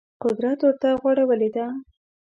قدرت ورته غوړولې ده